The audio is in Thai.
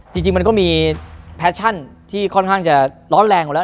จริงมันก็มีแฟชั่นที่ค่อนข้างจะร้อนแรงอยู่แล้ว